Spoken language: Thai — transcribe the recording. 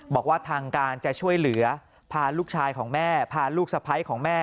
บอกว่าทางการจะช่วยเหลือพาลูกชายของแม่พาลูกสะพ้ายของแม่